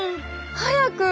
早く。